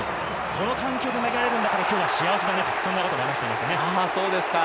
この環境で投げられるんだから、今日は幸せだねと話していました。